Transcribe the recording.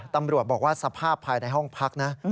ตำรวจบอกว่าสภาพภายในห้องพักนะ